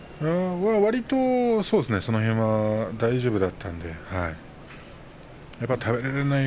わりとその辺は大丈夫だったので、はい。